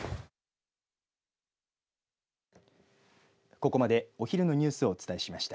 ここまでお昼のニュースをお伝えしました。